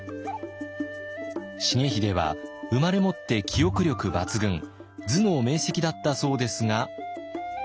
重秀は生まれもって記憶力抜群頭脳明せきだったそうですが。